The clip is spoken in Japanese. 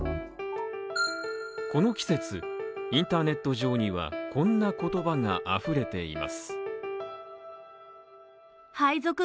この季節、インターネット上にはこんな言葉があふれています。